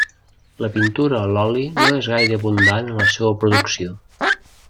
La pintura a l'oli no és gaire abundant en la seua producció.